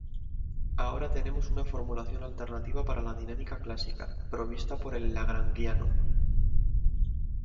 Ahora tenemos una formulación alternativa para la dinámica clásica, provista por el lagrangiano.